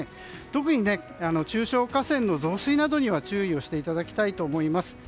特に中小河川の増水などには注意をしていただきたいと思います。